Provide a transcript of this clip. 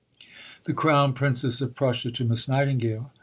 (_The Crown Princess of Prussia to Miss Nightingale.